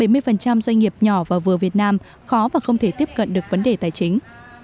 bảy mươi doanh nghiệp nhỏ và vừa việt nam khó và không thể tiếp cận được vấn đề tài chính